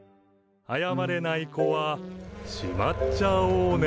謝れない子はしまっちゃおうね。